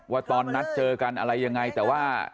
ว่าตอนนัดเจอกันอะไรยังไงแต่ว่า